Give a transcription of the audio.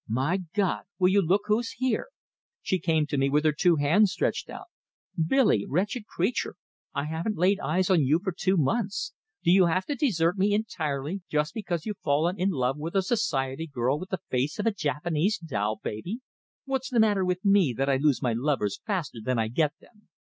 "My God! Will you look who's here!" She came to me with her two hands stretched out. "Billy, wretched creature, I haven't laid eyes on you for two months! Do you have to desert me entirely, just because you've fallen in love with a society girl with the face of a Japanese doll baby? What's the matter with me, that I lose my lovers faster than I get them?